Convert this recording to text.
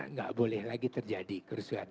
nggak boleh lagi terjadi kerusuhan